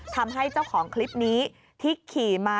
ทำให้เจ้าของคลิปนี้ที่ขี่มา